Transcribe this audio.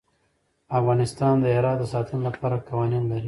افغانستان د هرات د ساتنې لپاره قوانین لري.